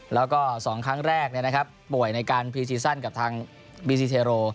แล้วก็๒ครั้งแรกป่วยในการพรีซีซั่นกับทางบีซีเทโร